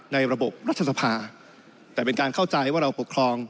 ในระบบรัฐสภาแต่เป็นการเข้าใจว่าเราปกครอง